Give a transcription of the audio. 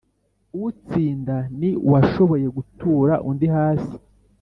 utsinda ni uwashoboye gutura undi hasi.